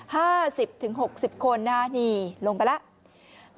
ห้าสิบถึงหกสิบคนนะนี่ลงไปแล้ว